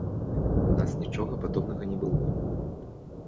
У нас нічога падобнага не было.